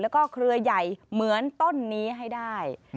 แล้วก็เครือใหญ่เหมือนต้นนี้ให้ได้